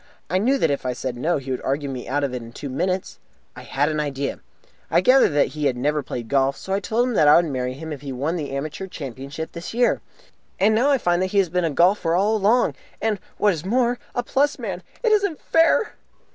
I knew that if I said 'No', he would argue me out of it in two minutes. I had an idea. I gathered that he had never played golf, so I told him that I would marry him if he won the Amateur Championship this year. And now I find that he has been a golfer all along, and, what is more, a plus man! It isn't fair!"